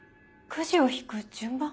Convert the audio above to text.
くじを引く順番？